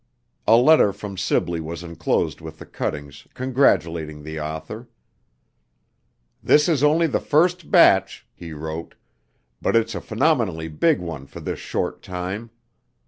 A letter from Sibley was enclosed with the cuttings, congratulating the author. "This is only the first batch," he wrote, "but it's a phenomenally big one for this short time.